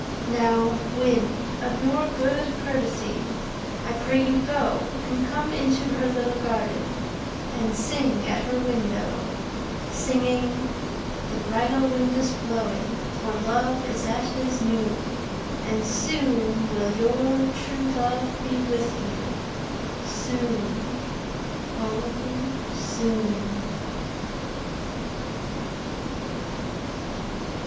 Now, wind, of your good courtesy I pray you go, And come into her little garden And sing at her window; Singing: The bridal wind is blowing For Love is at his noon; And soon will your true love be with you, Soon, O soon.